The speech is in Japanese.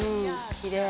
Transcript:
きれい！